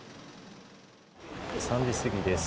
３時過ぎです。